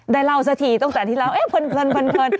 ได้เล่าสักทีตั้งแต่ที่เราเอ๊ะเพลิน